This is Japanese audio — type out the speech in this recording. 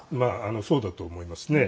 そうだと思いますね。